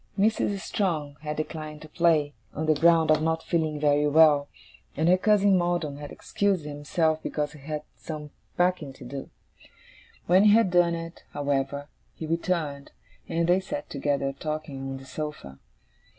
Mrs. Strong had declined to play, on the ground of not feeling very well; and her cousin Maldon had excused himself because he had some packing to do. When he had done it, however, he returned, and they sat together, talking, on the sofa.